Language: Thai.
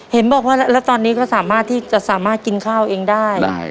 เห็นบอกว่าแล้วตอนนี้ก็สามารถที่จะสามารถกินข้าวเองได้